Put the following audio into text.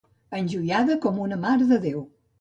Enjoiada com una Mare de Déu.